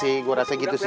iya sih gue rasa gitu sih